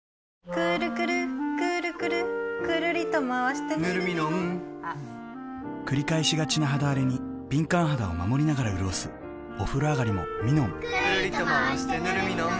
くるくるくるくるぬるミノンくるりとまわしてぬるミノン繰り返しがちな肌あれに敏感肌を守りながらうるおすお風呂あがりもミノンくるりとまわしてぬるミノン